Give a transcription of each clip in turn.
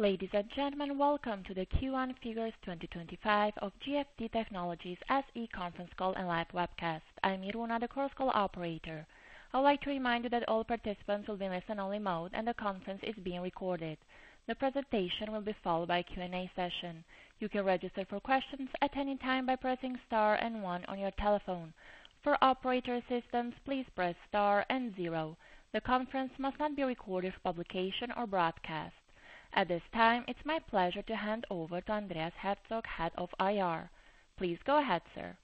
Ladies, and gentlemen, welcome to the Q1 Figures 2025 of GFT Technologies SE Conference Call and Live Webcast. I'm Iruna, The Course Call Operator. I'd like to remind you that all participants will be in listen-only mode and the conference is being recorded. The presentation will be followed by a Q&A session. You can register for questions at any time by pressing star and one on your telephone. For operator assistance, please press star and zero. The conference must not be recorded for publication or broadcast. At this time, it's my pleasure to hand over to Andreas Herzog, Head of IR. Please go ahead, sir.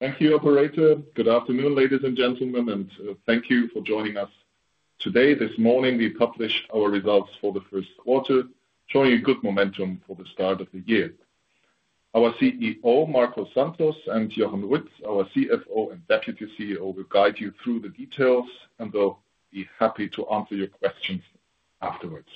Thank you, Operator. Good afternoon, ladies, and gentlemen, and thank you for joining us. Today, this morning, we published our results for the first quarter, showing a good momentum for the start of the year. Our CEO, Marco Santos, and Jochen Ruetz, our CFO and Deputy CEO, will guide you through the details and will be happy to answer your questions afterwards.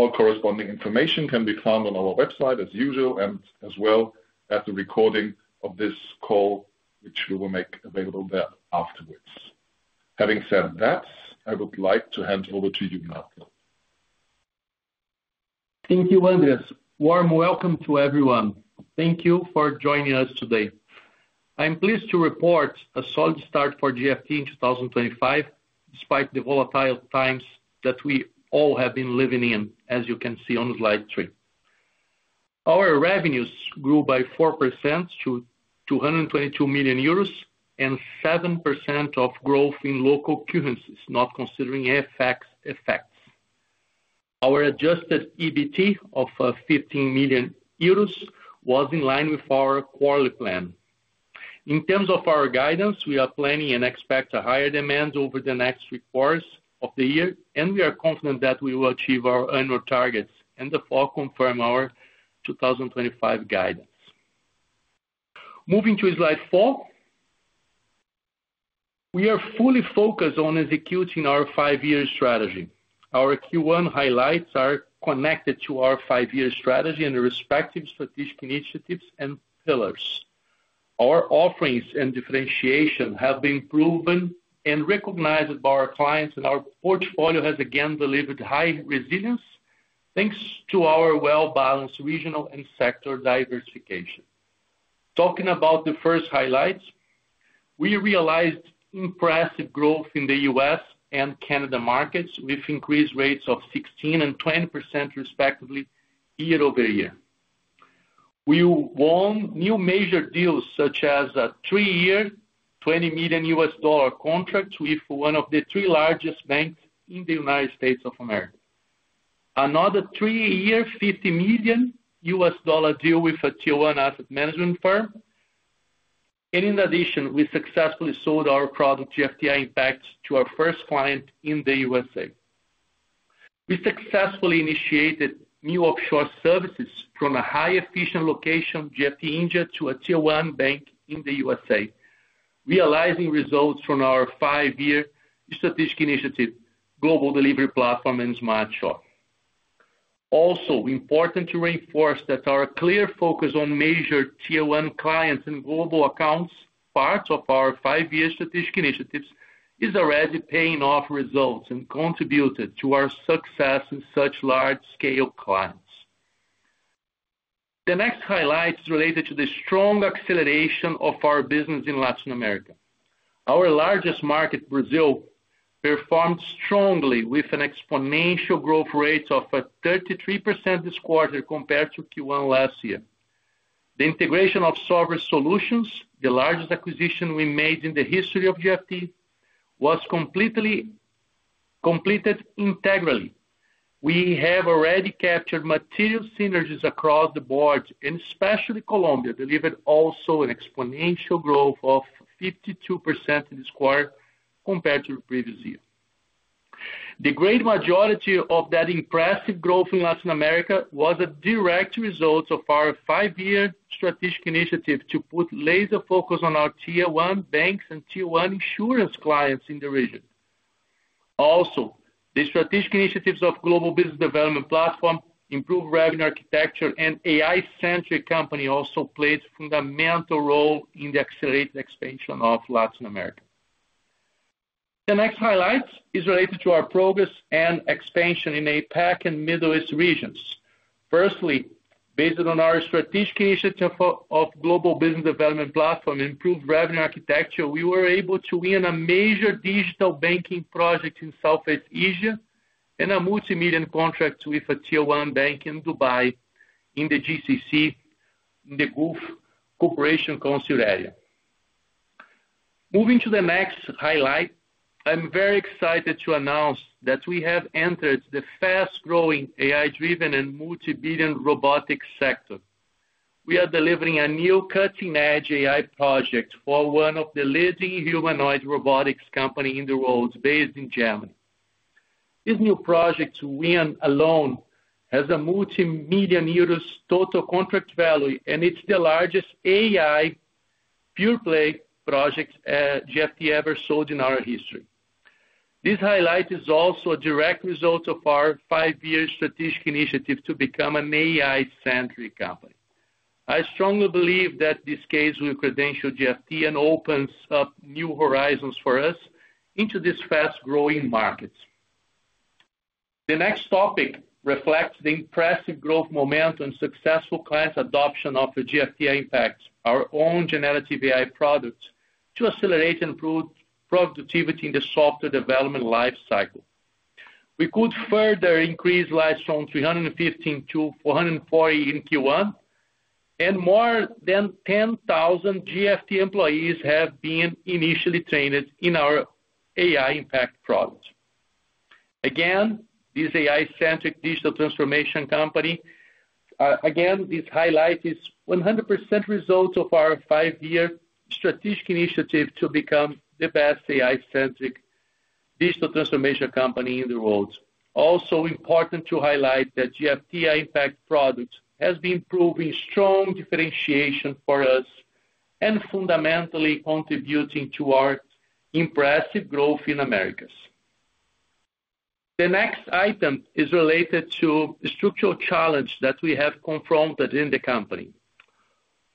All corresponding information can be found on our website, as usual, and as well as the recording of this call, which we will make available there afterwards. Having said that, I would like to hand over to you now. Thank you, Andreas. Warm welcome to everyone. Thank you for joining us today. I'm pleased to report a solid start for GFT in 2025, despite the volatile times that we all have been living in, as you can see on the slide three. Our revenues grew by 4% to 222 million euros and 7% of growth in local currencies, not considering FX effects. Our adjusted EBT of 15 million euros was in line with our quarterly plan. In terms of our guidance, we are planning and expect a higher demand over the next three quarters of the year, and we are confident that we will achieve our annual targets and, therefore, confirm our 2025 guidance. Moving to slide four, we are fully focused on executing our five-year strategy. Our Q1 highlights are connected to our five-year strategy and the respective strategic initiatives and pillars. Our offerings and differentiation have been proven and recognized by our clients, and our portfolio has again delivered high resilience thanks to our well-balanced regional and sector diversification. Talking about the first highlights, we realized impressive growth in the U.S. and Canada markets with increased rates of 16% and 20%, respectively, year over year. We won new major deals such as a three-year, $20 million contract with one of the three largest banks in the U.S. Another three-year, $50 million deal with a Tier one asset management firm. In addition, we successfully sold our product GFT Impact to our first client in the USA We successfully initiated new offshore services from a high-efficient location, GFT India, to a Tier one bank in the USA, realizing results from our five-year strategic initiative, Global Delivery Platform and Smart Shoring. Also, important to reinforce that our clear focus on major Tier one clients and global accounts, parts of our five-year strategic initiatives, is already paying off results and contributed to our success in such large-scale clients. The next highlight is related to the strong acceleration of our business in Latin America. Our largest market, Brazil, performed strongly with an exponential growth rate of 33% this quarter compared to Q1 last year. The integration of Software Solutions, the largest acquisition we made in the history of GFT, was completed integrally. We have already captured material synergies across the board, and especially Colombia delivered also an exponential growth of 52% this quarter compared to the previous year. The great majority of that impressive growth in Latin America was a direct result of our five-year strategic initiative to put laser focus on our Tier one banks and Tier one insurance clients in the region. Also, the strategic initiatives of Global Business Development Platform, Improved Revenue Architecture, and AI-centric company also played a fundamental role in the accelerated expansion of Latin America. The next highlight is related to our progress and expansion in APAC and Middle East regions. Firstly, based on our strategic initiative of Global Business Development Platform and Improved Revenue Architecture, we were able to win a major digital banking project in Southeast Asia and a multimillion contract with a Tier one bank in Dubai, in the GCC, in the Gulf Cooperation Council area. Moving to the next highlight, I'm very excited to announce that we have entered the fast-growing AI-driven and multibillion robotics sector. We are delivering a new cutting-edge AI project for one of the leading humanoid robotics companies in the world, based in Germany. This new project to win alone has a multimillion euros total contract value, and it's the largest AI pure-play project GFT ever sold in our history. This highlight is also a direct result of our five-year strategic initiative to become an AI-centric company. I strongly believe that this case will credential GFT and opens up new horizons for us into these fast-growing markets. The next topic reflects the impressive growth momentum and successful client adoption of the GFT Impact, our own generative AI product, to accelerate and improve productivity in the software development lifecycle. We could further increase livestream 315-440 in Q1, and more than 10,000 GFT employees have been initially trained in our AI Impact product. Again, this AI-centric digital transformation company, this highlight is 100% result of our five-year strategic initiative to become the best AI-centric digital transformation company in the world. Also, important to highlight that GFT Impact product has been proving strong differentiation for us and fundamentally contributing to our impressive growth in the Americas. The next item is related to the structural challenge that we have confronted in the company.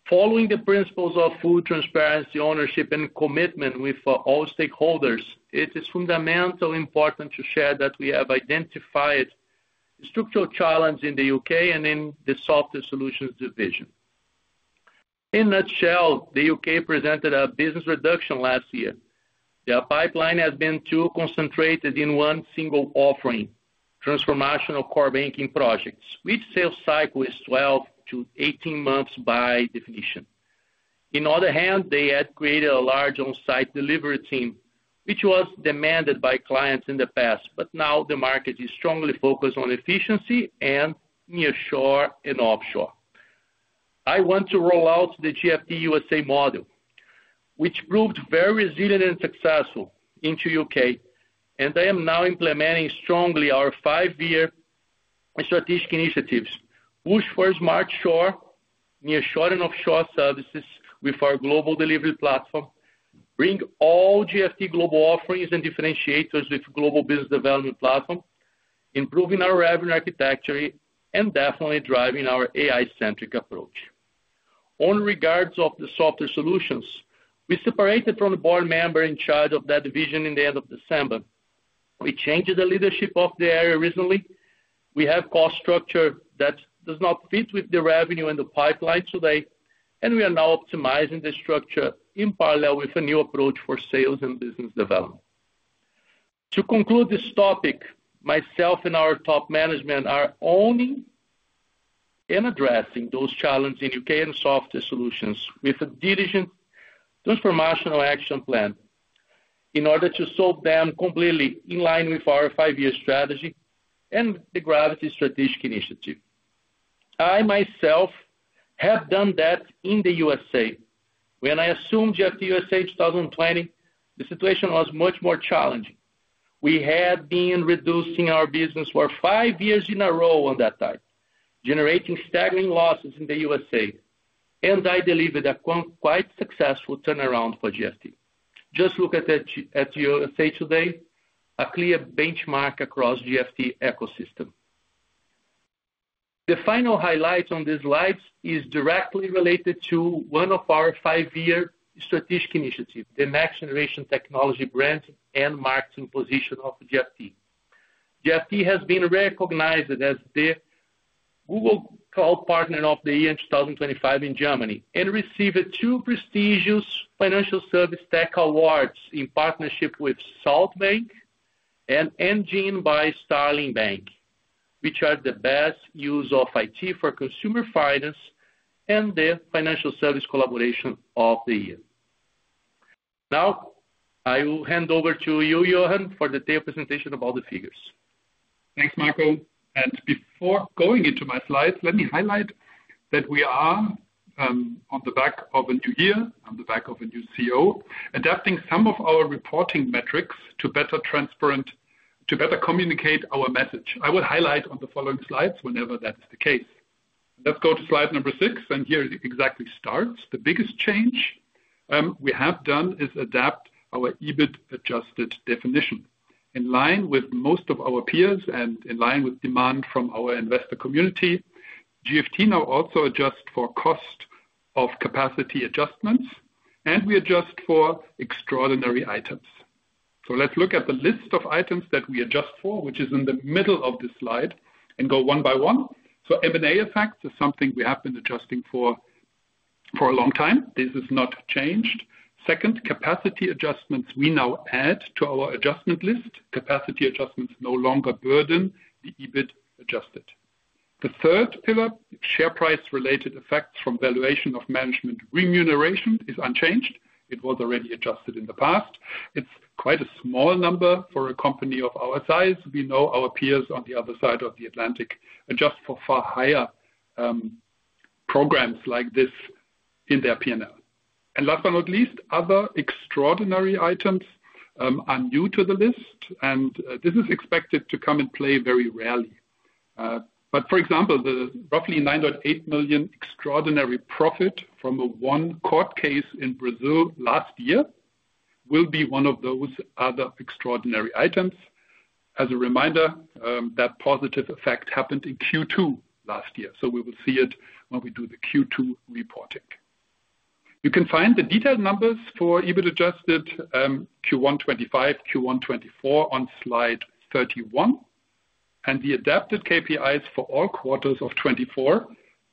Following the principles of full transparency, ownership, and commitment with all stakeholders, it is fundamentally important to share that we have identified structural challenges in the U.K. and in the software solutions division. In a nutshell, the U.K. presented a business reduction last year. Their pipeline has been too concentrated in one single offering, transformational core banking projects, which sales cycle is 12-18 months by definition. In other hands, they had created a large on-site delivery team, which was demanded by clients in the past, but now the market is strongly focused on efficiency and nearshore and offshore. I want to roll out the GFT USA model, which proved very resilient and successful in the U.K., and I am now implementing strongly our five-year strategic initiatives, which first marched shore, nearshore and offshore services with our Global Delivery Platform, bring all GFT global offerings and differentiators with the Global Business Development Platform, improving our revenue architecture and definitely driving our AI-centric approach. On regards of the software solutions, we separated from the board member in charge of that division in the end of December. We changed the leadership of the area recently. We have a cost structure that does not fit with the revenue and the pipeline today, and we are now optimizing the structure in parallel with a new approach for sales and business development. To conclude this topic, myself and our top management are owning and addressing those challenges in the U.K. and software solutions with a diligent transformational action plan in order to solve them completely in line with our five-year strategy and the Gravity strategic initiative. I, myself, have done that in the USA. When I assumed GFT USA in 2020, the situation was much more challenging. We had been reducing our business for five years in a row on that type, generating staggering losses in the USA, and I delivered a quite successful turnaround for GFT. Just look at the USA today, a clear benchmark across the GFT ecosystem. The final highlight on these slides is directly related to one of our five-year strategic initiatives, the Next Generation Technology Brands and Marketing position of GFT. GFT has been recognized as the Google Cloud Partner of the Year in 2025 in Germany and received two prestigious financial service tech awards in partnership with Saltbank and Engine by Starling Bank, which are the Best Use of IT for Consumer Finance and the Financial Service Collaboration of the Year. Now, I will hand over to you, Jochen, for the table presentation of all the figures. Thanks, Marco. Before going into my slides, let me highlight that we are on the back of a new year, on the back of a new CEO, adapting some of our reporting metrics to better communicate our message. I will highlight on the following slides whenever that is the case. Let's go to slide number six, and here it exactly starts. The biggest change we have done is adapt our EBIT adjusted definition. In line with most of our peers and in line with demand from our investor community, GFT now also adjusts for cost of capacity adjustments, and we adjust for extraordinary items. Let's look at the list of items that we adjust for, which is in the middle of this slide, and go one by one. M&A effects is something we have been adjusting for a long time. This has not changed. Second, capacity adjustments, we now add to our adjustment list. Capacity adjustments no longer burden the EBIT adjusted. The third pillar, share price-related effects from valuation of management remuneration, is unchanged. It was already adjusted in the past. It is quite a small number for a company of our size. We know our peers on the other side of the Atlantic adjust for far higher programs like this in their P&L. Last but not least, other extraordinary items are new to the list, and this is expected to come into play very rarely. For example, the roughly $9.8 million extraordinary profit from one court case in Brazil last year will be one of those other extraordinary items. As a reminder, that positive effect happened in Q2 last year, so we will see it when we do the Q2 reporting. You can find the detailed numbers for EBIT adjusted Q1 2025, Q1 2024 on slide 31, and the adapted KPIs for all quarters of 2024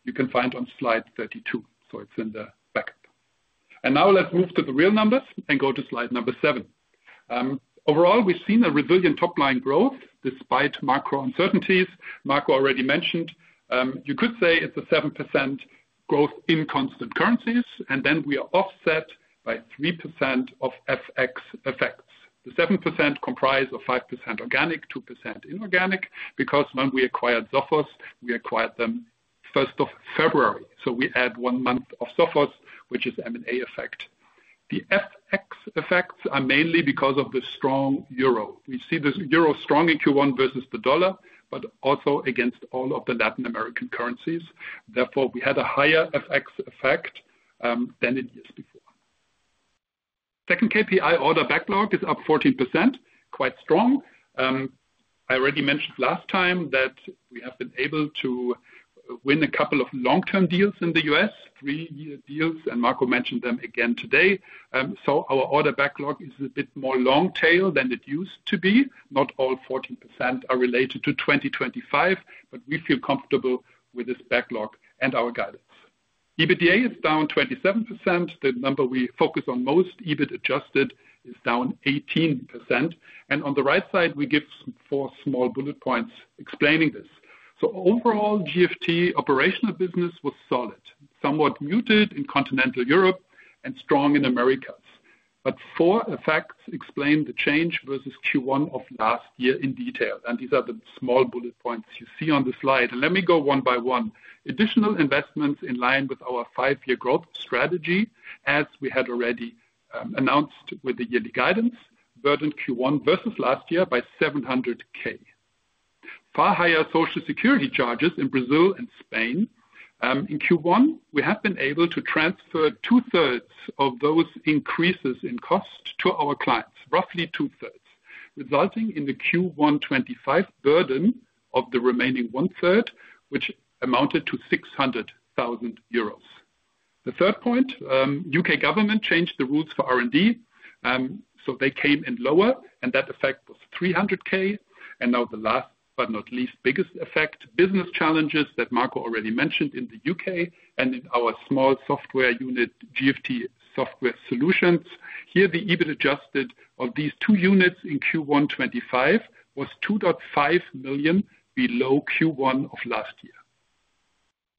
you can find on slide 32, so it is in the backup. Now let's move to the real numbers and go to slide number seven. Overall, we have seen a resilient top-line growth despite macro uncertainties. Marco already mentioned, you could say it is a 7% growth in constant currencies, and then we are offset by 3% of FX effects. The 7% comprise 5% organic, 2% inorganic, because when we acquired Sophos, we acquired them 1st of February, so we add one month of Sophos, which is M&A effect. The FX effects are mainly because of the strong euro. We see the euro strong in Q1 versus the dollar, but also against all of the Latin American currencies. Therefore, we had a higher FX effect than in years before. Second KPI, order backlog, is up 14%, quite strong. I already mentioned last time that we have been able to win a couple of long-term deals in the US, three-year deals, and Marco mentioned them again today. Our order backlog is a bit more long-tail than it used to be. Not all 14% are related to 2025, but we feel comfortable with this backlog and our guidance. EBITDA is down 27%. The number we focus on most, EBIT adjusted, is down 18%. On the right side, we give four small bullet points explaining this. Overall, GFT operational business was solid, somewhat muted in continental Europe and strong in Americas. Four effects explain the change versus Q1 of last year in detail. These are the small bullet points you see on the slide. Let me go one by one. Additional investments in line with our five-year growth strategy, as we had already announced with the yearly guidance, burdened Q1 versus last year by 700,000. Far higher social security charges in Brazil and Spain. In Q1, we have been able to transfer two-thirds of those increases in cost to our clients, roughly two-thirds, resulting in the Q1 2025 burden of the remaining one-third, which amounted to 600,000 euros. The third point, U.K. government changed the rules for R&D, so they came in lower, and that effect was 300,000. Now the last but not least biggest effect, business challenges that Marco already mentioned in the U.K. and in our small software unit, GFT Software Solutions. Here, the EBIT adjusted of these two units in Q1 2025 was 2.5 million below Q1 of last year.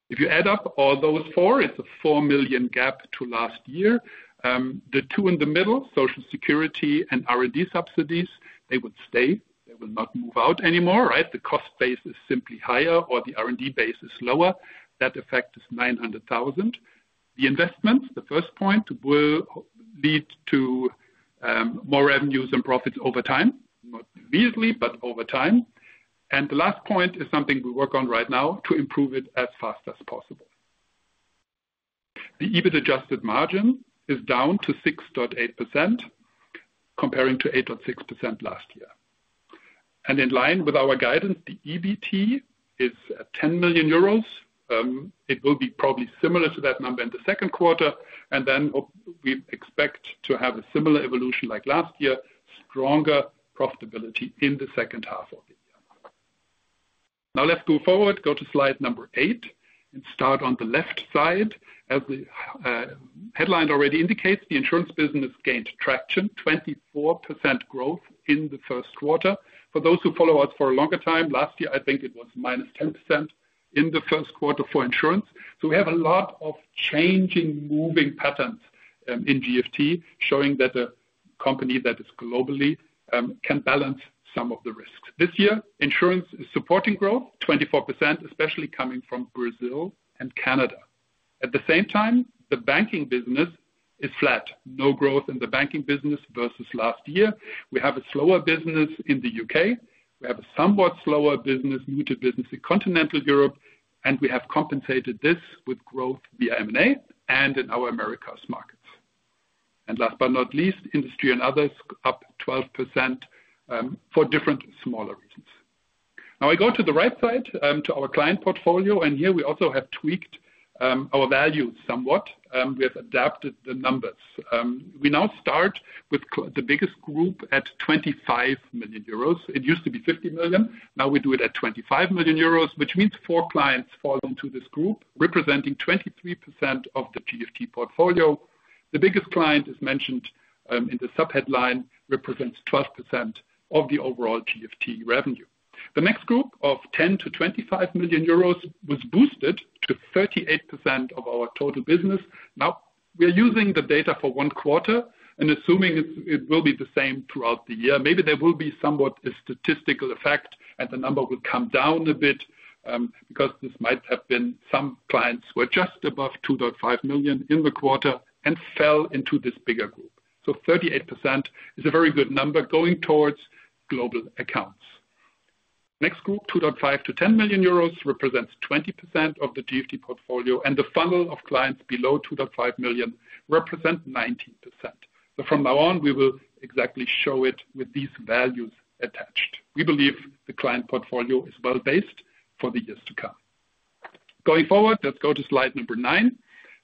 If you add up all those four, it's a 4 million gap to last year. The two in the middle, social security and R&D subsidies, they will stay. They will not move out anymore, right? The cost base is simply higher or the R&D base is lower. That effect is 900,000. The investments, the first point, will lead to more revenues and profits over time, not immediately, but over time. The last point is something we work on right now to improve it as fast as possible. The EBIT adjusted margin is down to 6.8%, comparing to 8.6% last year. In line with our guidance, the EBT is 10 million euros. It will be probably similar to that number in the second quarter, and then we expect to have a similar evolution like last year, stronger profitability in the second half of the year. Now let's go forward, go to slide number eight, and start on the left side. As the headline already indicates, the insurance business gained traction, 24% growth in the first quarter. For those who follow us for a longer time, last year, I think it was -10% in the first quarter for insurance. So we have a lot of changing, moving patterns in GFT, showing that a company that is globally can balance some of the risks. This year, insurance is supporting growth, 24%, especially coming from Brazil and Canada. At the same time, the banking business is flat, no growth in the banking business versus last year. We have a slower business in the U.K. We have a somewhat slower business, new to business in continental Europe, and we have compensated this with growth via M&A and in our Americas markets. Last but not least, industry and others up 12% for different smaller reasons. Now I go to the right side to our client portfolio, and here we also have tweaked our values somewhat. We have adapted the numbers. We now start with the biggest group at 25 million euros. It used to be 50 million. Now we do it at 25 million euros, which means four clients fall into this group, representing 23% of the GFT portfolio. The biggest client, as mentioned in the sub-headline, represents 12% of the overall GFT revenue. The next group of 10 million-25 million euros was boosted to 38% of our total business. Now we are using the data for one quarter and assuming it will be the same throughout the year. Maybe there will be somewhat a statistical effect and the number will come down a bit because this might have been some clients were just above 2.5 million in the quarter and fell into this bigger group. So 38% is a very good number going towards global accounts. Next group, 2.5 million-10 million euros, represents 20% of the GFT portfolio, and the funnel of clients below 2.5 million represents 19%. From now on, we will exactly show it with these values attached. We believe the client portfolio is well-based for the years to come. Going forward, let's go to slide number nine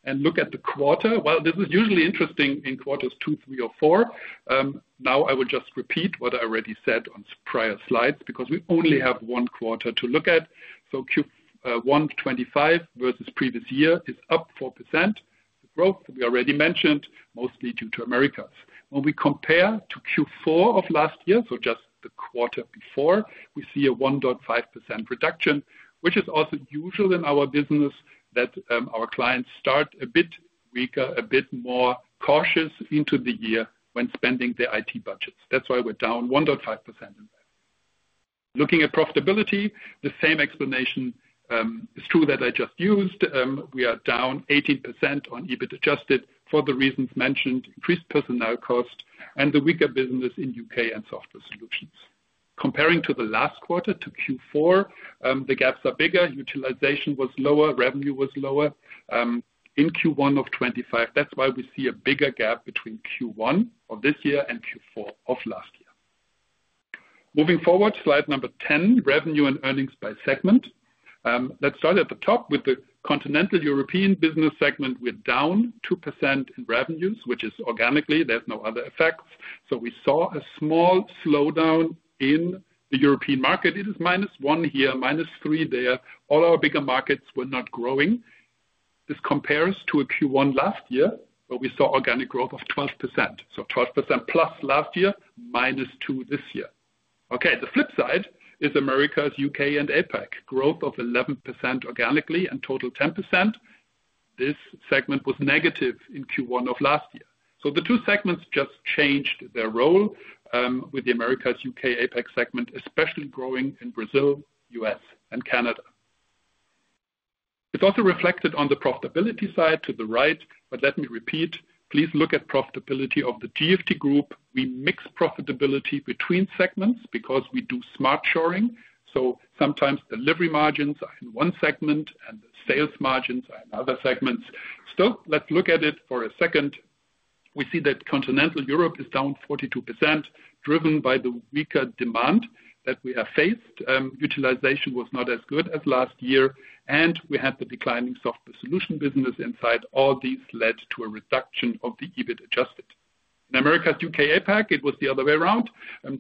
and look at the quarter. This is usually interesting in quarters two, three, or four. I will just repeat what I already said on prior slides because we only have one quarter to look at. Q1 2025 versus previous year is up 4%. The growth we already mentioned, mostly due to Americas. When we compare to Q4 of last year, so just the quarter before, we see a 1.5% reduction, which is also usual in our business that our clients start a bit weaker, a bit more cautious into the year when spending their IT budgets. That's why we're down 1.5% in that. Looking at profitability, the same explanation is true that I just used. We are down 18% on EBIT adjusted for the reasons mentioned, increased personnel cost, and the weaker business in U.K. and software solutions. Comparing to the last quarter, to Q4, the gaps are bigger. Utilization was lower, revenue was lower in Q1 of 2025. That's why we see a bigger gap between Q1 of this year and Q4 of last year. Moving forward, slide number 10, revenue and earnings by segment. Let's start at the top with the continental European business segment. We're down 2% in revenues, which is organically, there's no other effects. We saw a small slowdown in the European market. It is -1% here, -3% there. All our bigger markets were not growing. This compares to a Q1 last year where we saw organic growth of 12%. So 12% plus last year, -2% this year. Okay, the flip side is Americas, U.K., and APAC. Growth of 11% organically and total 10%. This segment was negative in Q1 of last year. The two segments just changed their role with the Americas, U.K., APAC segment, especially growing in Brazil, U.S., and Canada. It's also reflected on the profitability side to the right, but let me repeat. Please look at profitability of the GFT group. We mix profitability between segments because we do smart shoring. Sometimes delivery margins are in one segment and the sales margins are in other segments. Still, let's look at it for a second. We see that continental Europe is down 42%, driven by the weaker demand that we have faced. Utilization was not as good as last year, and we had the declining software solution business inside. All these led to a reduction of the EBIT adjusted. In Americas, U.K., APAC, it was the other way around.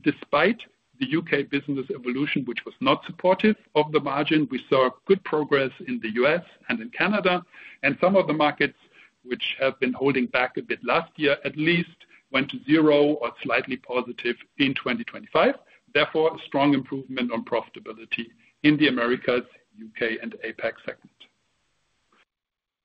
Despite the U.K. business evolution, which was not supportive of the margin, we saw good progress in the U.S. and in Canada. And some of the markets, which have been holding back a bit last year, at least went to zero or slightly positive in 2025. Therefore, a strong improvement on profitability in the Americas, U.K., and APAC segment.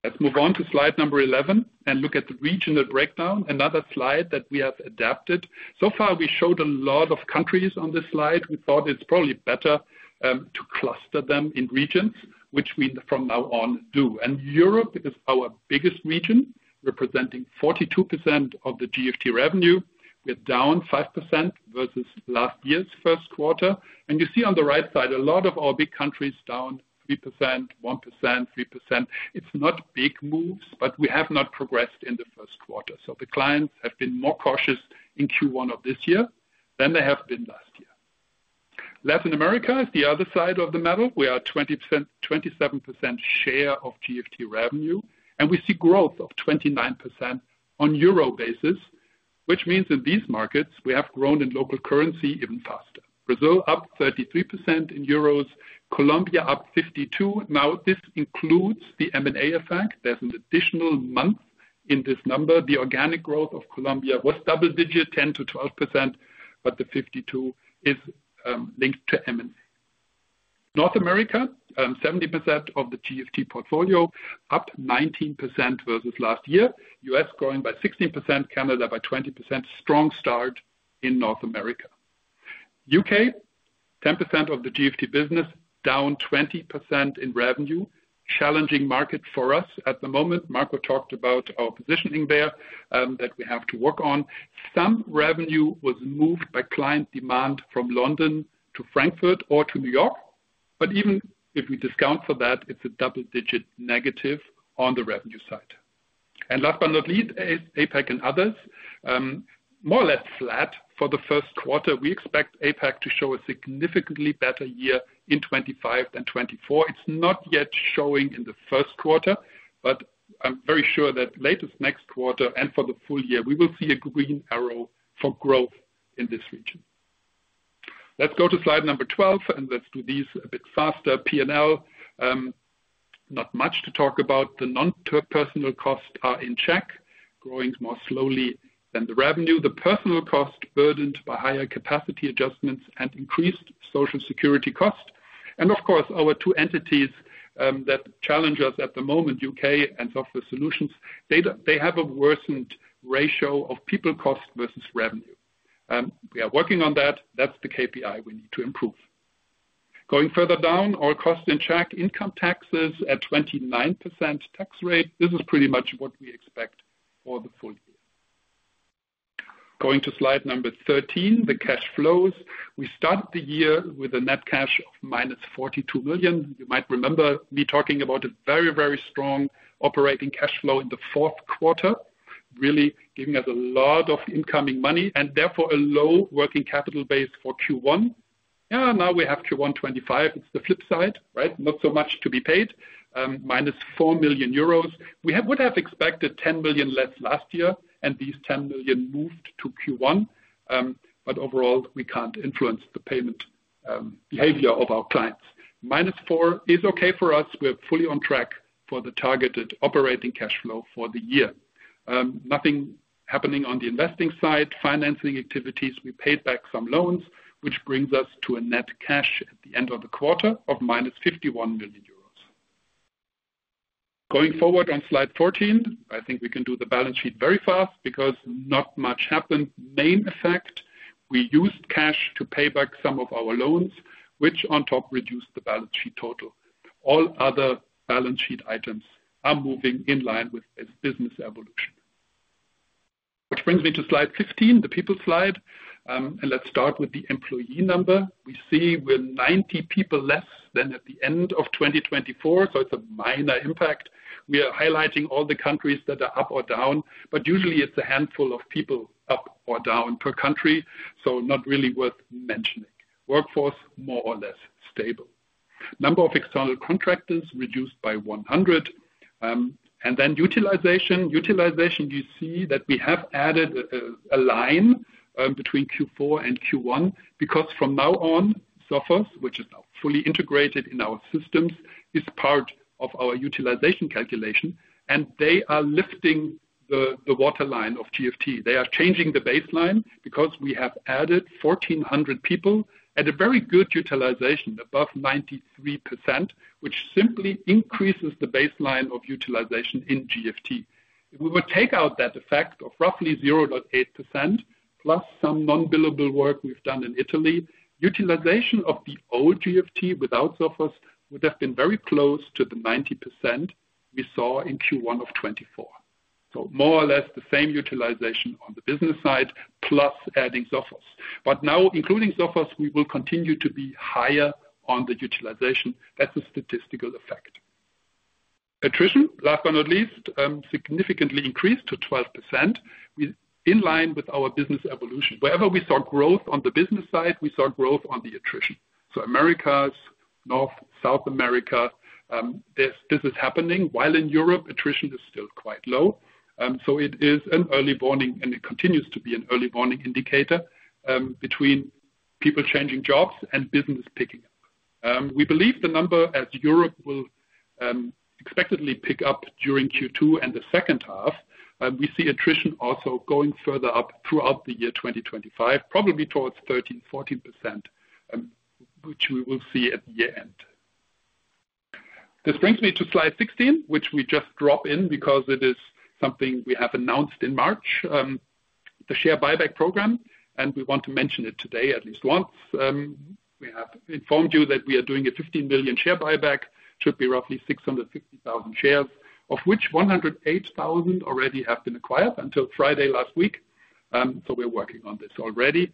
Let's move on to slide number 11 and look at the regional breakdown. Another slide that we have adapted. So far, we showed a lot of countries on this slide. We thought it's probably better to cluster them in regions, which we from now on do. Europe is our biggest region, representing 42% of the GFT revenue. We're down 5% versus last year's first quarter. You see on the right side, a lot of our big countries down 3%, 1%, 3%. It's not big moves, but we have not progressed in the first quarter. The clients have been more cautious in Q1 of this year than they have been last year. Latin America is the other side of the medal. We are 27% share of GFT revenue, and we see growth of 29% on EUR basis, which means in these markets, we have grown in local currency even faster. Brazil up 33% in EUR, Colombia up 52%. Now this includes the M&A effect. There is an additional month in this number. The organic growth of Colombia was double-digit, 10%-12%, but the 52% is linked to M&A. North America, 70% of the GFT portfolio, up 19% versus last year. US growing by 16%, Canada by 20%. Strong start in North America. U.K., 10% of the GFT business, down 20% in revenue. Challenging market for us at the moment. Marco talked about our positioning there that we have to work on. Some revenue was moved by client demand from London to Frankfurt or to New York. Even if we discount for that, it is a double-digit negative on the revenue side. Last but not least, APAC and others, more or less flat for the first quarter. We expect APAC to show a significantly better year in 2025 than 2024. It's not yet showing in the first quarter, but I'm very sure that latest next quarter and for the full year, we will see a green arrow for growth in this region. Let's go to slide number 12, and let's do these a bit faster. P&L, not much to talk about. The non-personal costs are in check, growing more slowly than the revenue. The personal cost burdened by higher capacity adjustments and increased social security cost. Of course, our two entities that challenge us at the moment, U.K. and software solutions, they have a worsened ratio of people cost versus revenue. We are working on that. That's the KPI we need to improve. Going further down, our cost in check, income taxes at 29% tax rate. This is pretty much what we expect for the full year. Going to slide number 13, the cash flows. We started the year with a net cash of -42 million. You might remember me talking about a very, very strong operating cash flow in the fourth quarter, really giving us a lot of incoming money and therefore a low working capital base for Q1. Yeah, now we have Q1 2025. It's the flip side, right? Not so much to be paid, -4 million euros. We would have expected 10 million less last year, and these 10 million moved to Q1. Overall, we can't influence the payment behavior of our clients. -4 million is okay for us. We're fully on track for the targeted operating cash flow for the year. Nothing happening on the investing side. Financing activities, we paid back some loans, which brings us to a net cash at the end of the quarter of -51 million euros. Going forward on slide 14, I think we can do the balance sheet very fast because not much happened. Main effect, we used cash to pay back some of our loans, which on top reduced the balance sheet total. All other balance sheet items are moving in line with this business evolution. Which brings me to slide 15, the people slide. Let's start with the employee number. We see we're 90 people less than at the end of 2024, so it's a minor impact. We are highlighting all the countries that are up or down, but usually it's a handful of people up or down per country, so not really worth mentioning. Workforce more or less stable. Number of external contractors reduced by 100. Then utilization. Utilization, you see that we have added a line between Q4 and Q1 because from now on, Sophos, which is now fully integrated in our systems, is part of our utilization calculation, and they are lifting the waterline of GFT. They are changing the baseline because we have added 1,400 people at a very good utilization, above 93%, which simply increases the baseline of utilization in GFT. If we would take out that effect of roughly 0.8% plus some non-billable work we have done in Italy, utilization of the old GFT without Sophos would have been very close to the 90% we saw in Q1 of 2024. More or less the same utilization on the business side plus adding Sophos. Now, including Sophos, we will continue to be higher on the utilization. That is a statistical effect. Attrition, last but not least, significantly increased to 12% in line with our business evolution. Wherever we saw growth on the business side, we saw growth on the attrition. Americas, North, South America, this is happening, while in Europe, attrition is still quite low. It is an early warning, and it continues to be an early warning indicator between people changing jobs and business picking up. We believe the number as Europe will expectedly pick up during Q2 and the second half. We see attrition also going further up throughout the year 2025, probably towards 13%-14%, which we will see at the year end. This brings me to slide 16, which we just drop in because it is something we have announced in March, the share buyback program, and we want to mention it today at least once. We have informed you that we are doing a 15 million share buyback, should be roughly 650,000 shares, of which 108,000 already have been acquired until Friday last week. We are working on this already.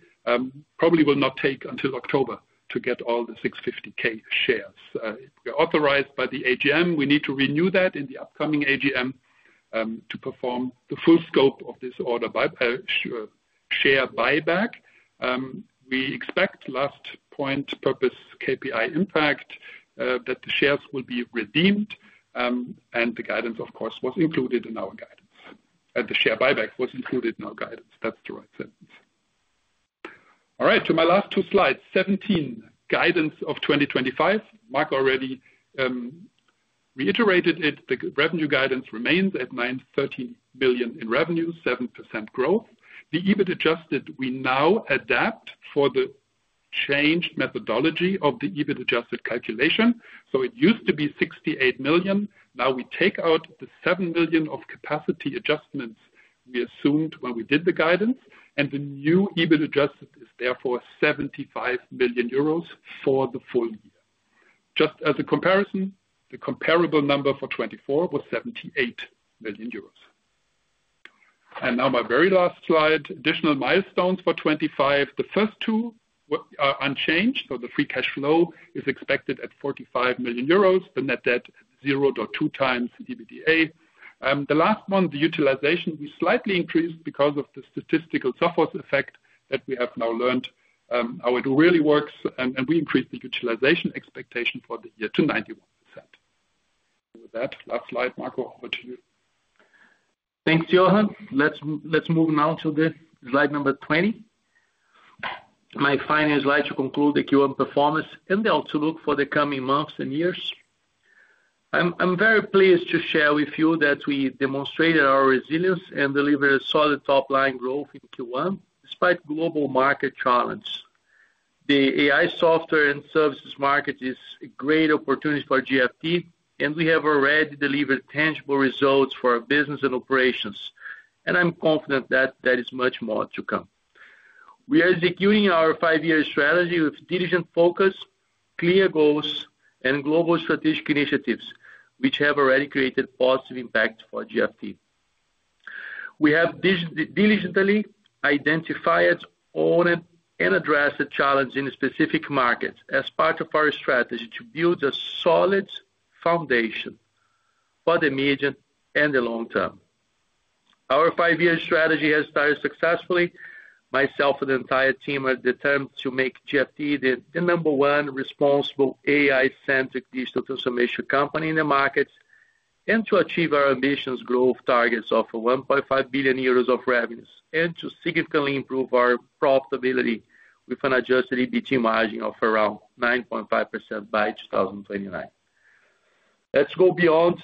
Probably will not take until October to get all the 650,000 shares. We are authorized by the AGM. We need to renew that in the upcoming AGM to perform the full scope of this order by share buyback. We expect last point, purpose, KPI impact, that the shares will be redeemed, and the guidance, of course, was included in our guidance. The share buyback was included in our guidance. That is the right sentence. All right, to my last two slides. 17, guidance of 2025. Mark already reiterated it. The revenue guidance remains at 913 million in revenue, 7% growth. The EBIT adjusted, we now adapt for the changed methodology of the EBIT adjusted calculation. It used to be 68 million. Now we take out the 7 million of capacity adjustments we assumed when we did the guidance, and the new EBIT adjusted is therefore 75 million euros for the full year. Just as a comparison, the comparable number for 2024 was 78 million euros. Now my very last slide, additional milestones for 2025. The first two are unchanged, so the free cash flow is expected at 45 million euros, the net debt 0.2 times EBITDA. The last one, the utilization, we slightly increased because of the statistical Sophos effect that we have now learned. Our do really works, and we increased the utilization expectation for the year to 91%. With that, last slide, Marco, over to you. Thanks, Jochen. Let's move now to the slide number 20. My final slide to conclude the Q1 performance and the outlook for the coming months and years. I'm very pleased to share with you that we demonstrated our resilience and delivered a solid top-line growth in Q1 despite global market challenges. The AI software and services market is a great opportunity for GFT, and we have already delivered tangible results for our business and operations, and I'm confident that there is much more to come. We are executing our five-year strategy with diligent focus, clear goals, and global strategic initiatives, which have already created positive impact for GFT. We have diligently identified and addressed the challenge in specific markets as part of our strategy to build a solid foundation for the medium and the long term. Our five-year strategy has started successfully. Myself and the entire team are determined to make GFT the number one responsible AI-centric digital transformation company in the markets and to achieve our ambitions, growth targets of 1.5 billion euros of revenues and to significantly improve our profitability with an adjusted EBIT margin of around 9.5% by 2029. Let's go beyond.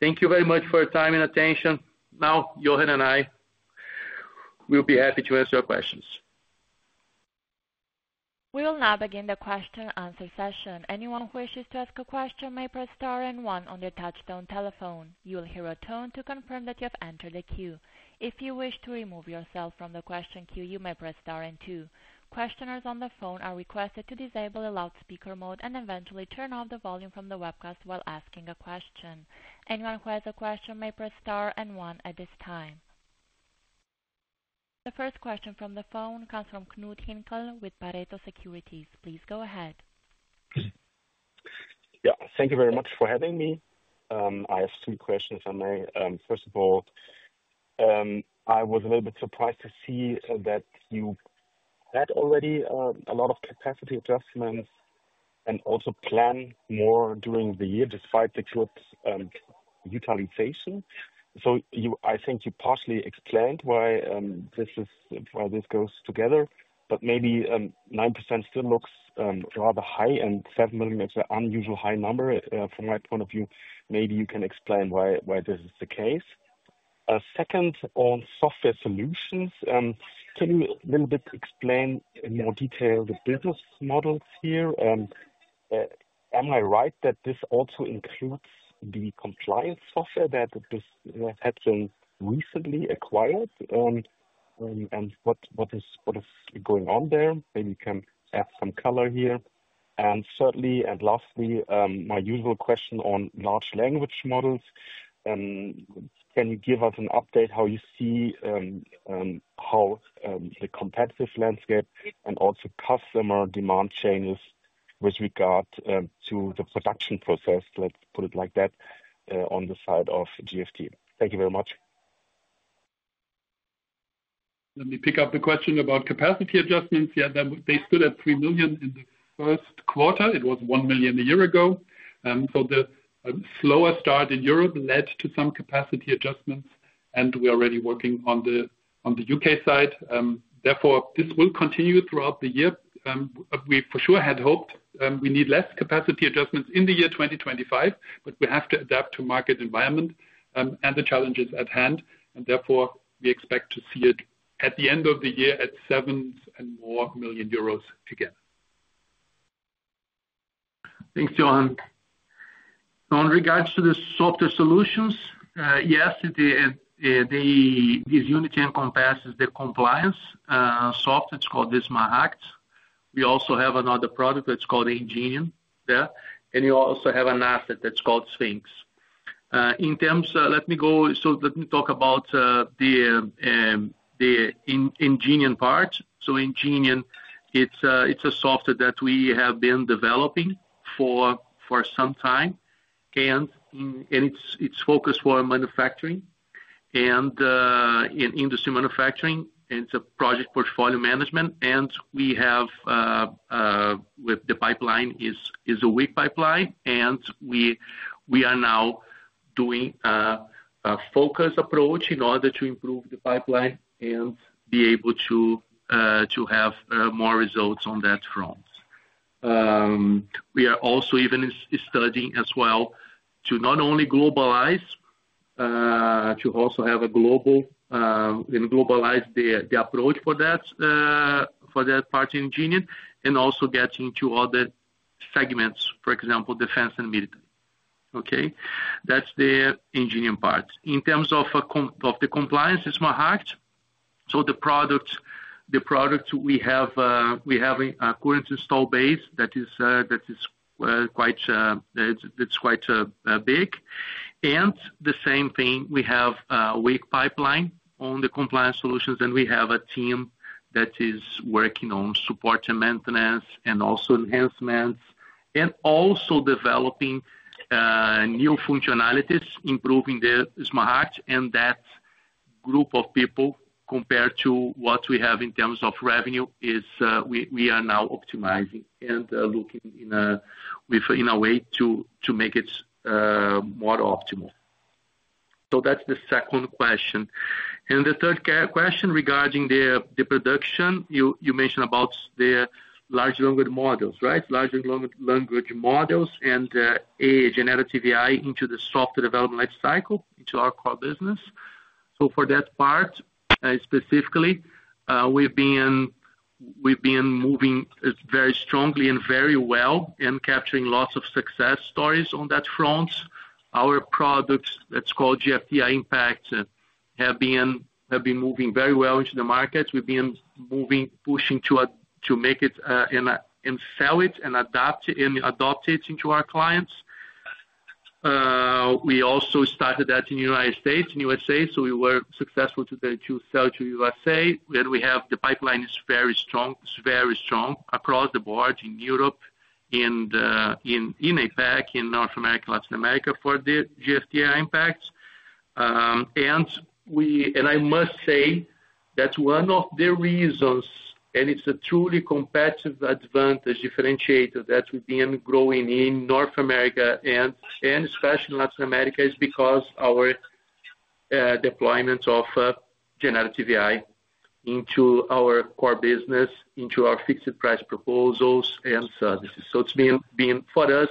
Thank you very much for your time and attention. Now, Jochen and I will be happy to answer your questions. We will now begin the question-and-answer session. Anyone who wishes to ask a question may press star and one on their touch-tone telephone. You will hear a tone to confirm that you have entered the queue. If you wish to remove yourself from the question queue, you may press star and two. Questioners on the phone are requested to disable the loudspeaker mode and eventually turn off the volume from the webcast while asking a question. Anyone who has a question may press star and one at this time. The first question from the phone comes from Knud Hinkel with Pareto Securities. Please go ahead. Yeah, thank you very much for having me. I have two questions, if I may. First of all, I was a little bit surprised to see that you had already a lot of capacity adjustments and also planned more during the year despite the good utilization. I think you partially explained why this goes together, but maybe 9% still looks rather high, and 7 million is an unusually high number from my point of view. Maybe you can explain why this is the case. Second, on software solutions, can you a little bit explain in more detail the business models here? Am I right that this also includes the compliance software that has been recently acquired? What is going on there? Maybe you can add some color here. Thirdly, and lastly, my usual question on large language models, can you give us an update how you see how the competitive landscape and also customer demand changes with regard to the production process? Let's put it like that on the side of GFT. Thank you very much. Let me pick up the question about capacity adjustments. Yeah, they stood at 3 million in the first quarter. It was 1 million a year ago. The slower start in Europe led to some capacity adjustments, and we're already working on the U.K. side. Therefore, this will continue throughout the year. We for sure had hoped we need less capacity adjustments in the year 2025, but we have to adapt to market environment and the challenges at hand. Therefore, we expect to see it at the end of the year at 7 million and more again. Thanks, Jochen. In regards to the software solutions, yes, this unit encompasses the compliance software. It is called Visma Acts. We also have another product that's called Engineer there, and you also have an asset that's called Sphinx. In terms of, let me go, let me talk about the Engineer part. Engineer is a software that we have been developing for some time, and it is focused for manufacturing and industry manufacturing. It is a project portfolio management, and we have, with the pipeline, it is a weak pipeline, and we are now doing a focused approach in order to improve the pipeline and be able to have more results on that front. We are also even studying as well to not only globalize, to also have a global and globalize the approach for that part in Engineer and also getting to other segments, for example, defense and military. Okay? That is the Engineer part. In terms of the compliance, it is my heart. The products we have current install base that is quite big. The same thing, we have a weak pipeline on the compliance solutions, and we have a team that is working on support and maintenance and also enhancements and also developing new functionalities, improving the smart heart, and that group of people compared to what we have in terms of revenue is we are now optimizing and looking in a way to make it more optimal. That is the second question. The third question regarding the production, you mentioned about the large language models, right? Large language models and generative AI into the software development lifecycle into our core business. For that part specifically, we've been moving very strongly and very well and capturing lots of success stories on that front. Our products, that's called GFT Impact, have been moving very well into the market. We've been pushing to make it and sell it and adopt it into our clients. We also started that in the United States, in the U.S., so we were successful to sell to the U.S. We have the pipeline is very strong, very strong across the board in Europe, in APAC, in North America, Latin America for the GFT Impact. I must say that one of the reasons, and it's a truly competitive advantage differentiator that we've been growing in North America and especially in Latin America, is because of our deployment of generative AI into our core business, into our fixed price proposals and services. It's been for us,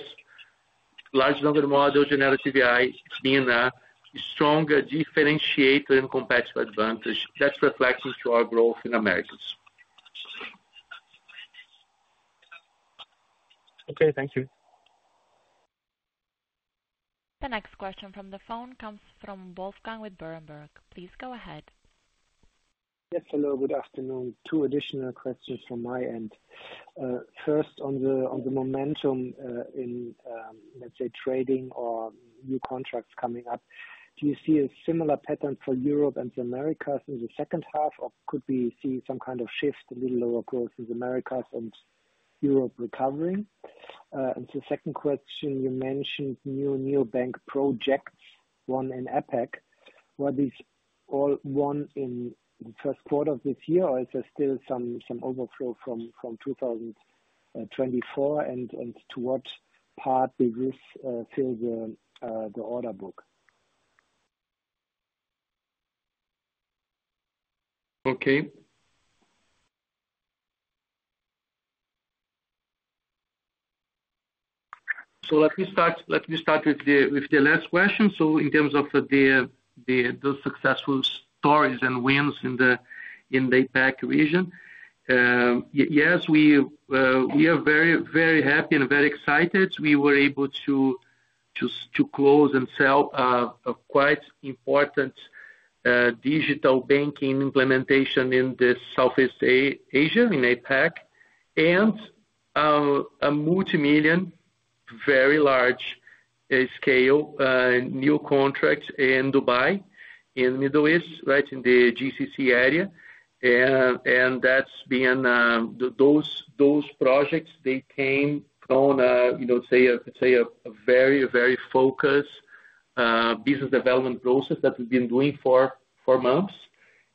large language model generative AI being a stronger differentiator and competitive advantage that's reflected to our growth in Americas. Okay, thank you. The next question from the phone comes from Wolfgang with Berenberg. Please go ahead. Yes, hello, good afternoon. Two additional questions from my end. First, on the momentum in, let's say, trading or new contracts coming up, do you see a similar pattern for Europe and the Americas in the second half, or could we see some kind of shift, a little lower growth in the Americas and Europe recovering? The second question, you mentioned new neobank projects, one in APAC. Were these all won in the first quarter of this year, or is there still some overflow from 2024? To what part does this fill the order book? Okay. Let me start with the last question. In terms of those successful stories and wins in the APAC region, yes, we are very, very happy and very excited. We were able to close and sell a quite important digital banking implementation in Southeast Asia in APAC and a multimillion, very large scale new contract in Dubai, in the Middle East, in the GCC area. Those projects came from, let's say, a very, very focused business development process that we've been doing for months.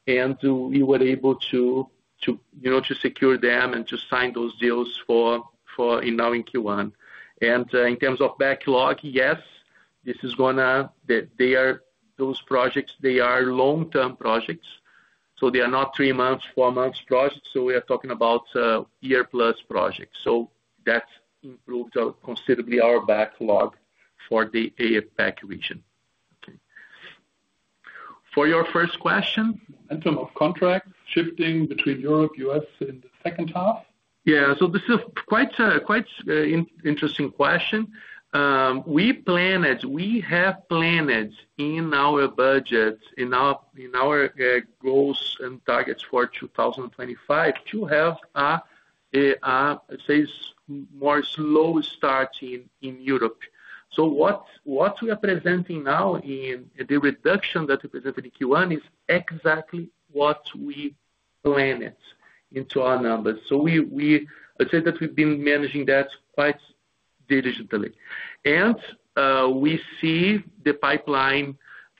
We were able to secure them and to sign those deals now in Q1. In terms of backlog, yes, this is going to those projects, they are long-term projects. They are not three-month, four-month projects. We are talking about year-plus projects. That has improved considerably our backlog for the APAC region. Okay. For your first question, in terms of contract shifting between Europe, US in the second half? This is quite an interesting question. We have planned in our budget, in our goals and targets for 2025, to have a, let's say, more slow start in Europe. What we are presenting now in the reduction that we presented in Q1 is exactly what we planned into our numbers. I would say that we have been managing that quite diligently. We see the pipeline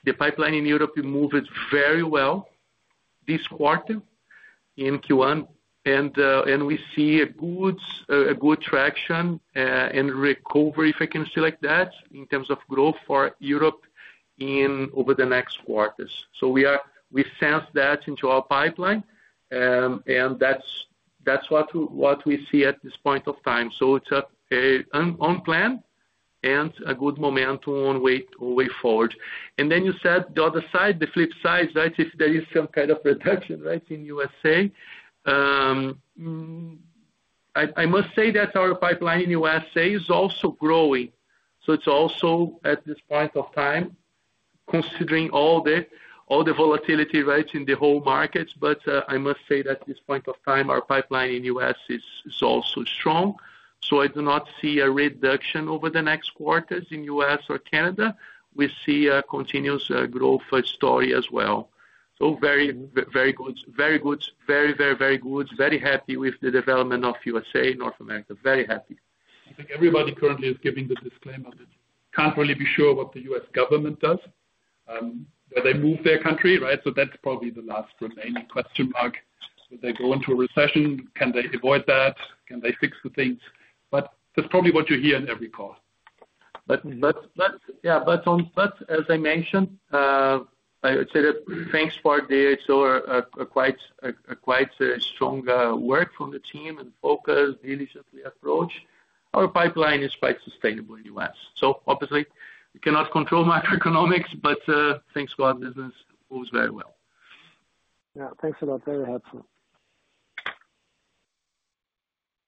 in Europe moved very well this quarter in Q1, and we see good traction and recovery, if I can say like that, in terms of growth for Europe over the next quarters. We sense that in our pipeline, and that is what we see at this point of time. It is on plan and a good momentum way forward. You said the other side, the flip side, right? If there is some kind of reduction, right, in the USA, I must say that our pipeline in the USA is also growing. It is also at this point of time, considering all the volatility in the whole markets. I must say that at this point of time, our pipeline in the U.S. is also strong. I do not see a reduction over the next quarters in the U.S. or Canada. We see a continuous growth story as well. Very good, very good, very, very, very good. Very happy with the development of USA, North America. Very happy. I think everybody currently is giving the disclaimer that cannot really be sure what the U.S. government does. Will they move their country, right? That is probably the last remaining question mark. Will they go into a recession? Can they avoid that? Can they fix the things? That is probably what you hear in every call. As I mentioned, I would say that thanks for the quite strong work from the team and focus, diligently approached. Our pipeline is quite sustainable in the U.S. Obviously, you cannot control macroeconomics, but thanks to our business, it moves very well. Thanks a lot. Very helpful.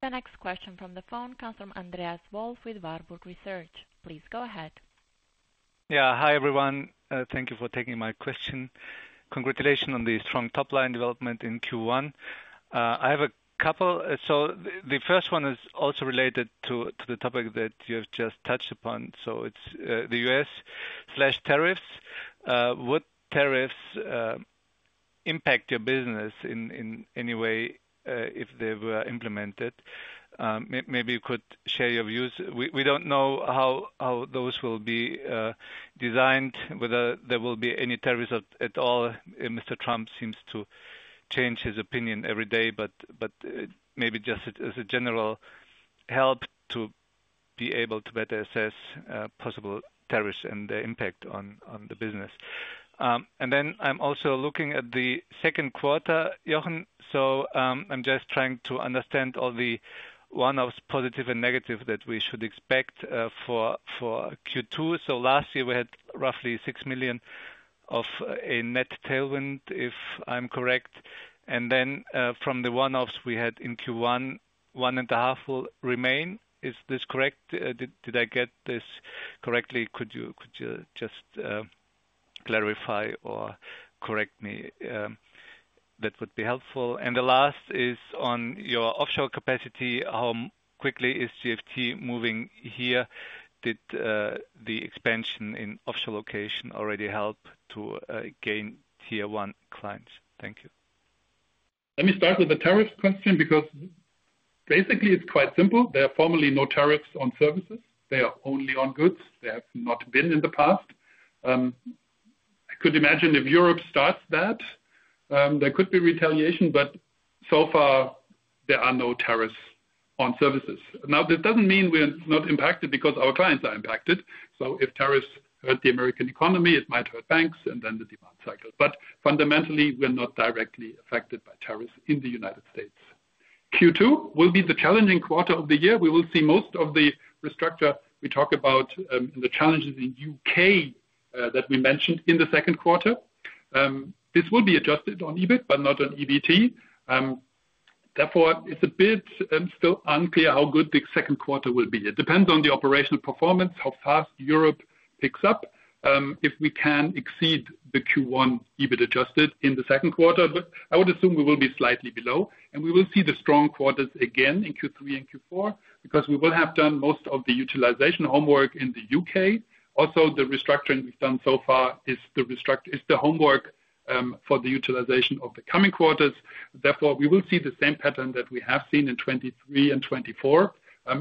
The next question from the phone comes from Andreas Wolf with Warburg Research. Please go ahead. Yeah, hi everyone. Thank you for taking my question. Congratulations on the strong top-line development in Q1. I have a couple. The first one is also related to the topic that you have just touched upon. It is the US/tariffs. Would tariffs impact your business in any way if they were implemented? Maybe you could share your views. We do not know how those will be designed, whether there will be any tariffs at all. Mr. Trump seems to change his opinion every day, but maybe just as a general help to be able to better assess possible tariffs and their impact on the business. I am also looking at the second quarter, Jochen. I am just trying to understand all the one-off positive and negative that we should expect for Q2. Last year, we had roughly 6 million of a net tailwind, if I'm correct. Then from the one-offs we had in Q1, 1.5 million will remain. Is this correct? Did I get this correctly? Could you just clarify or correct me? That would be helpful. The last is on your offshore capacity. How quickly is GFT moving here? Did the expansion in offshore location already help to gain tier one clients? Thank you. Let me start with the tariff question because basically, it's quite simple. There are formally no tariffs on services. They are only on goods. They have not been in the past. I could imagine if Europe starts that, there could be retaliation, but so far, there are no tariffs on services. Now, this doesn't mean we're not impacted because our clients are impacted. If tariffs hurt the American economy, it might hurt banks and then the demand cycle. Fundamentally, we're not directly affected by tariffs in the U.S. Q2 will be the challenging quarter of the year. We will see most of the restructure we talk about and the challenges in the U.K. that we mentioned in the second quarter. This will be adjusted on EBIT, but not on EBT. Therefore, it's a bit still unclear how good the second quarter will be. It depends on the operational performance, how fast Europe picks up. If we can exceed the Q1 EBIT adjusted in the second quarter, I would assume we will be slightly below. We will see the strong quarters again in Q3 and Q4 because we will have done most of the utilization homework in the U.K. Also, the restructuring we've done so far is the homework for the utilization of the coming quarters. Therefore, we will see the same pattern that we have seen in 2023 and 2024.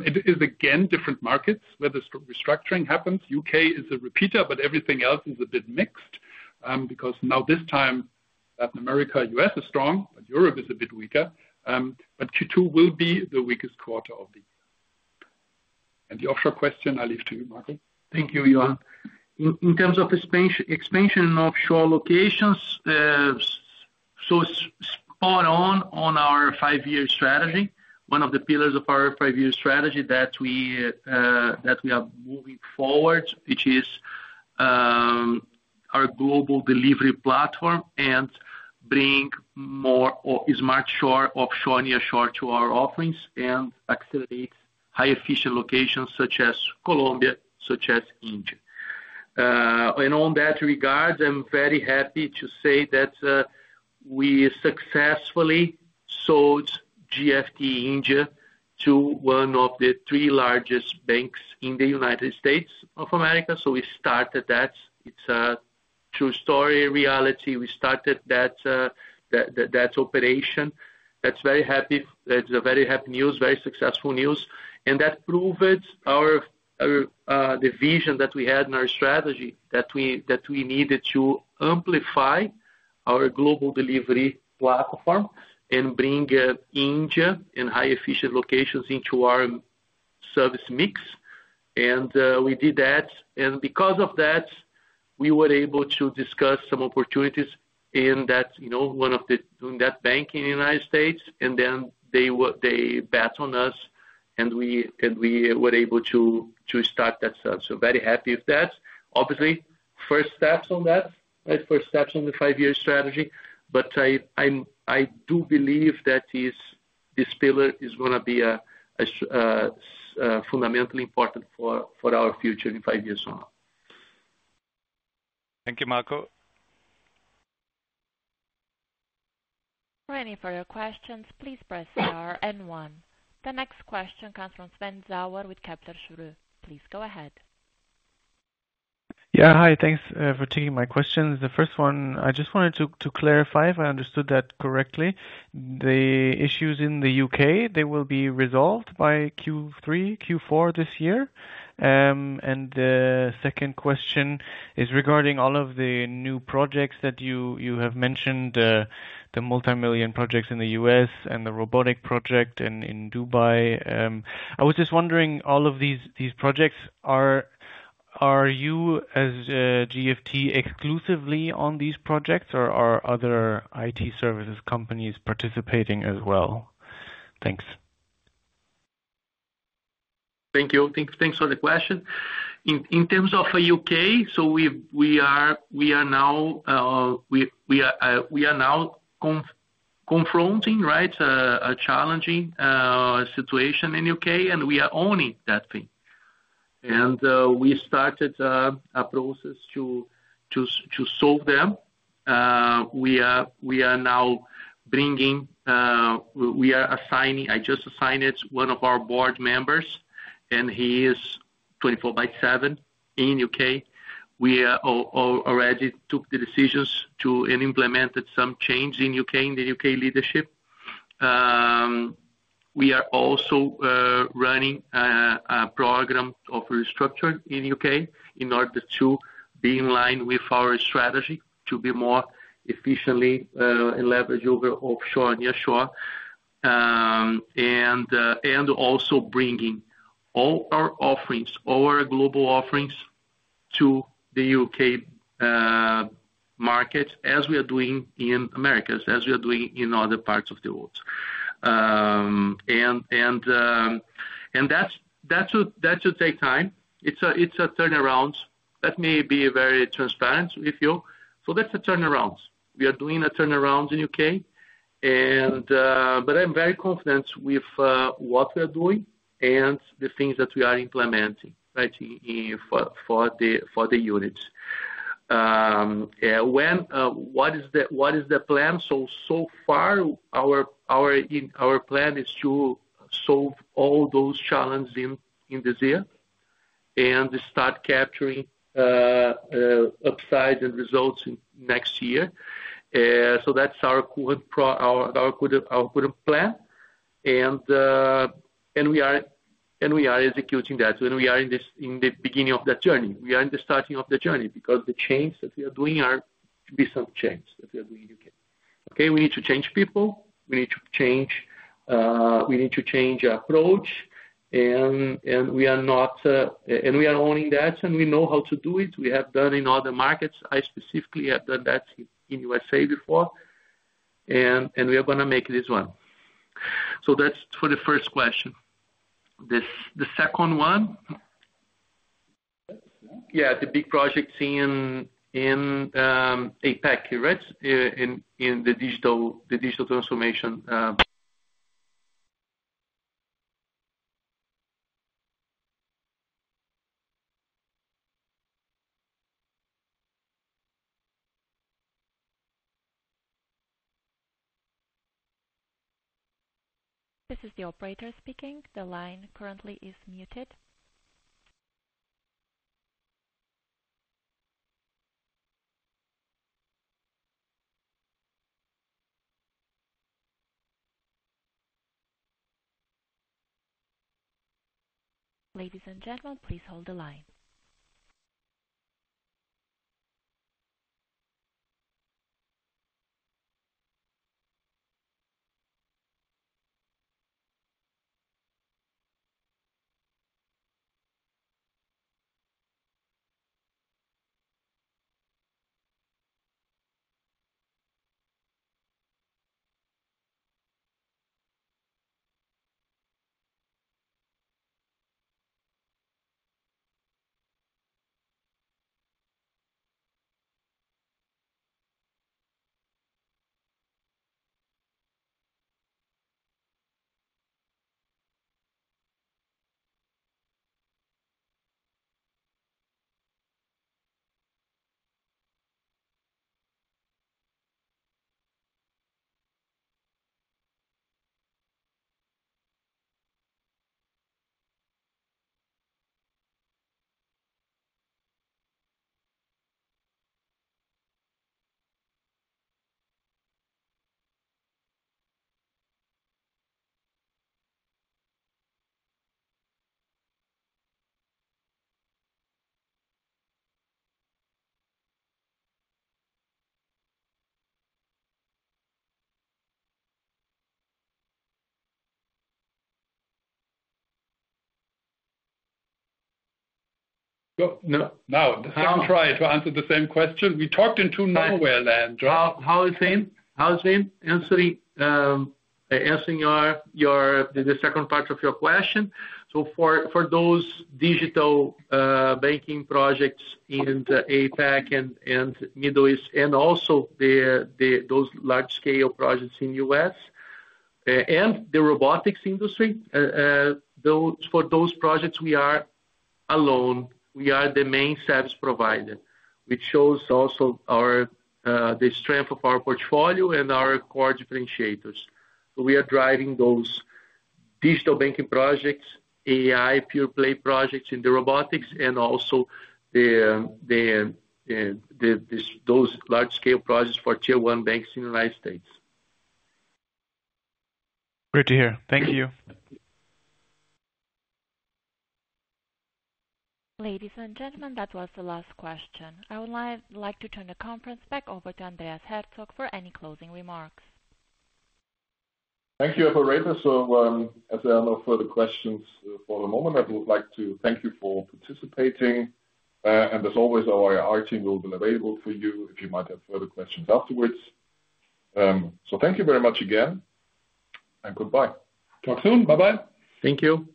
It is again different markets where this restructuring happens. U.K. is a repeater, but everything else is a bit mixed because now this time, Latin America, U.S. is strong, but Europe is a bit weaker. Q2 will be the weakest quarter of the year. The offshore question, I'll leave to you, Marco. Thank you, Johan. In terms of the expansion of shore locations, it is spot on on our five-year strategy. One of the pillars of our five-year strategy that we are moving forward, which is our Global Delivery Platform and bring more smart shore, offshore, nearshore to our offerings and accelerate high-efficient locations such as Colombia, such as India. On that regard, I'm very happy to say that we successfully sold GFT India to one of the three largest banks in the U.S. So we started that. It's a true story, reality. We started that operation. That's very happy. It's very happy news, very successful news. That proved the vision that we had in our strategy that we needed to amplify our global delivery platform and bring India and high-efficient locations into our service mix. We did that. Because of that, we were able to discuss some opportunities in that one of the doing that bank in the U.S. They bet on us, and we were able to start that. Very happy with that. Obviously, first steps on that, first steps on the five-year strategy. But I do believe that this pillar is going to be fundamentally important for our future in five years from now. Thank you, Marco. For any further questions, please press star and one. The next question comes from Sven Sauer with Kepler Cheuvreux. Please go ahead. Yeah, hi. Thanks for taking my question. The first one, I just wanted to clarify if I understood that correctly. The issues in the U.K., they will be resolved by Q3, Q4 this year. And the second question is regarding all of the new projects that you have mentioned, the multimillion projects in the U.S. and the robotic project in Dubai. I was just wondering, all of these projects, are you as GFT exclusively on these projects, or are other IT services companies participating as well? Thanks. Thank you. Thanks for the question. In terms of U.K., we are now confronting, right, a challenging situation in the U.K., and we are owning that thing. We started a process to solve them. We are now bringing, we are assigning, I just assigned one of our board members, and he is 24 by seven in U.K. We already took the decisions to implement some change in U.K., in the U.K. leadership. We are also running a program of restructure in the U.K. in order to be in line with our strategy, to be more efficiently leverage over offshore, nearshore. Also bringing all our offerings, all our global offerings to the U.K. market as we are doing in America, as we are doing in other parts of the world. That should take time. It's a turnaround. Let me be very transparent with you. That's a turnaround. We are doing a turnaround in the U.K. I am very confident with what we are doing and the things that we are implementing, right, for the units. What is the plan? Our plan is to solve all those challenges in this year and start capturing upside and results next year. That is our current plan. We are executing that. We are in the beginning of the journey. We are in the starting of the journey because the change that we are doing are to be some change that we are doing in the U.K. Okay? We need to change people. We need to change our approach. We are owning that, and we know how to do it. We have done it in other markets. I specifically have done that in the USA before. We are going to make this one. That's for the first question. The second one? Yeah, the big projects in APAC, right, in the digital transformation. This is the Operator speaking. The line currently is muted. Ladies and gentlemen, please hold the line. Now, I'm trying to answer the same question. We talked in two nowhere land, right? How is it? How is it? Answering the second part of your question. For those digital banking projects in the APAC and Middle East, and also those large-scale projects in the U.S. and the robotics industry, for those projects, we are alone. We are the main service provider, which shows also the strength of our portfolio and our core differentiators. We are driving those digital banking projects, AI pure play projects in the robotics, and also those large-scale projects for tier one banks in the U.S. Great to hear. Thank you. Ladies and gentlemen, that was the last question. I would like to turn the conference back over to Andreas Herzog for any closing remarks. Thank you, operator. As there are no further questions for the moment, I would like to thank you for participating. As always, our IT will be available for you if you might have further questions afterwards. Thank you very much again, and goodbye. Talk soon. Bye-bye. Thank you.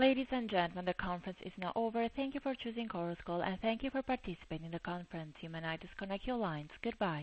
Ladies and gentlemen, the conference is now over. Thank you for choosing Coruscal, and thank you for participating in the conference. You may now disconnect your lines. Goodbye.